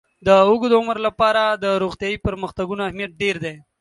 د اوږد عمر لپاره د روغتیايي پرمختګونو اهمیت ډېر دی.